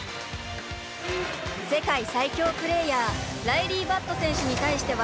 世界最強プレーヤーライリー・バット選手に対しては